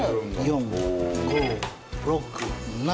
４５６７。